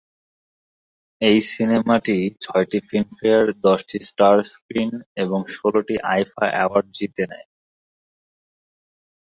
এই সিনেমাটি ছয়টি ফিল্ম ফেয়ার, দশটি স্টার স্ক্রিন এবং ষোলটি আইফা অ্যাওয়ার্ড জিতে নেয়।